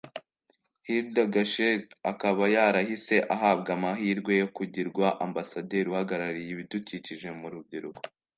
Hilda Gacheri akaba yarahise ahabwa amahirwe yo kugirwa ambasaderi uhagarariye ibidukikije mu rubyiruko